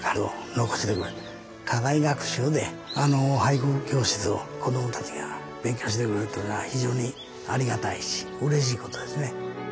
課外学習で俳句教室を子どもたちが勉強してくれるっていうのは非常にありがたいしうれしいことですね。